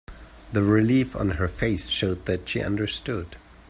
The relief on her face showed that she understood.